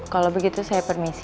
kalau begitu saya permisi